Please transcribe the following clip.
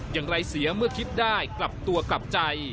อย่างไรเสียเมื่อคิดได้กลับตัวกลับใจ